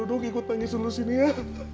om dudung ikut tangis dulu sini ya